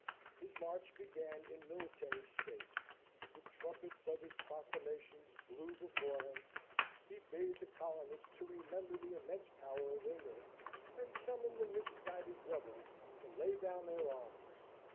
His march began in military state: the trumpets of his proclamations blew before him; he bade the colonists to remember the immense power of England; and summoned the misguided rebels to lay down their arms.